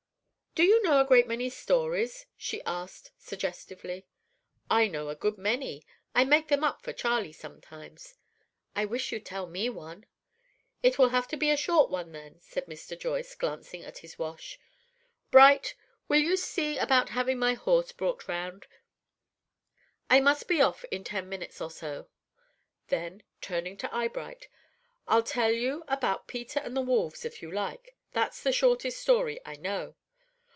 "Do you know a great many stories?" she asked suggestively. "I know a good many. I make them up for Charley sometimes." "I wish you'd tell me one." "It will have to be a short one then," said Mr. Joyce, glancing at his watch. "Bright, will you see about having my horse brought round? I must be off in ten minutes or so." Then, turning to Eyebright, "I'll tell you about Peter and the Wolves, if you like. That's the shortest story I know."